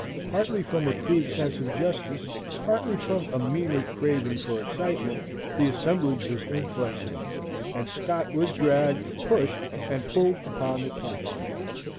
Partly from a crude sense of justice, partly from a meaner craving for excitement, the assemblage was inflexible; and Scott was dragged, pushed, and pulled upon the platform.